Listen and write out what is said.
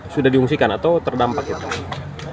sudah diungsikan atau terdampak itu